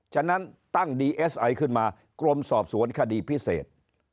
ฉะนั้นตั้งดีเอสไอขึ้นมากรมสอบสวนคดีพิเศษ